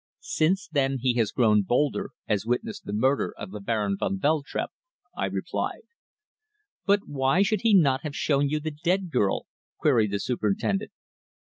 Since then he has grown bolder, as witness the murder of the Baron van Veltrup," I replied. "But why should he not have shown you the dead girl?" queried the Superintendent.